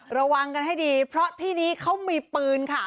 ระวังกันให้ดีเพราะที่นี้เขามีปืนค่ะ